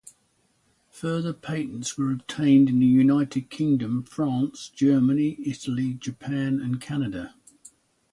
Further patents were obtained in the United Kingdom, France, Germany, Italy, Japan and Canada.